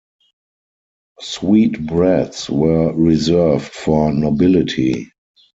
Sweet breads were reserved for nobility.